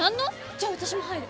じゃあ私も入る！